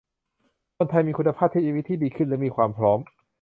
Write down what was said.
คนไทยมีคุณภาพชีวิตที่ดีขึ้นและมีความพร้อม